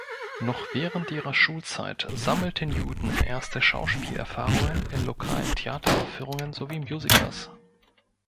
Noch während ihrer Schulzeit sammelte Newton erste Schauspielerfahrungen in lokalen Theateraufführungen sowie Musicals.